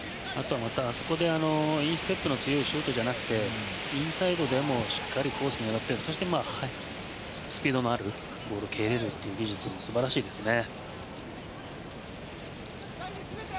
あそこでインステップの強いシュートじゃなくてインサイドでもしっかりコースを狙ってそしてスピードのあるボールを蹴れる技術も素晴らしいですね。